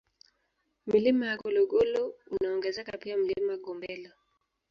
Milima ya Gologolo unaongezeka pia Mlima Gombelo